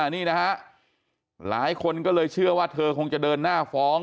นี่นะฮะหลายคนก็เลยเชื่อว่าเธอคงจะเดินหน้าฟ้อง